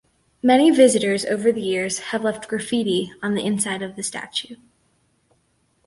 Many visitors over the years have left graffiti on the inside of the statue.